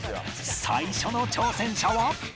最初の挑戦者は